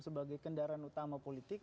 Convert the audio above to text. sebagai kendaraan utama politik